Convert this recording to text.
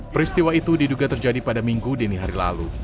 peristiwa itu diduga terjadi pada minggu dini hari lalu